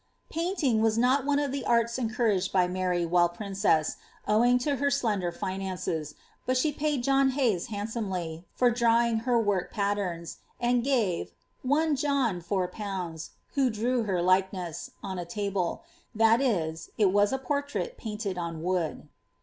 Painting was not one of the arts encouraged by Mar}' while princess, owing to her slender finances, but she paid John Hayes handsomely for drawing her work |>atterns, and gave ^one John 4/., who drew her likeness "' on a table ; that is, it was a portiait painted on wooti.